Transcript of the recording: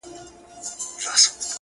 خو زه به بیا هم تر لمني انسان و نه نیسم؛